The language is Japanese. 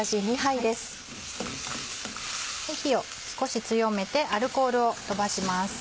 火を少し強めてアルコールを飛ばします。